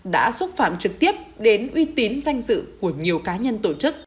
đã xúc phạm trực tiếp đến uy tín danh dự của nhiều cá nhân tổ chức